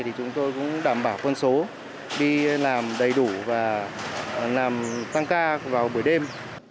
thì chúng tôi cũng đảm bảo quân số đi làm đầy đủ và làm tăng ca vào buổi đêm